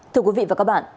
thưa quý vị và các bạn